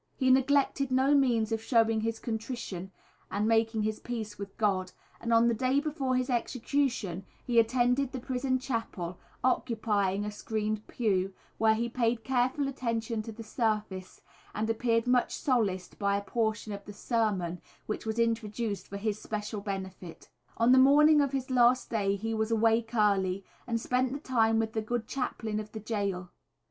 He neglected no means of showing his contrition and making his peace with God, and on the day before his execution he attended the prison chapel, occupying a screened pew, where he paid careful attention to the service and appeared much solaced by a portion of the sermon which was introduced for his special benefit. On the morning of his last day he was awake early and spent the time with the good chaplain of the gaol.